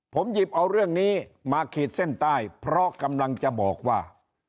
ผมหยิบเอาเรื่องนี้มาขีดเส้นใต้เพราะกำลังจะบอกว่า